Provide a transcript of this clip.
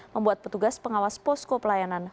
membuat petugas pengawas posko pelayanan